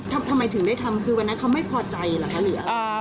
ทำไมถึงได้ทำคือวันนั้นเขาไม่พอใจเหรอคะหรือ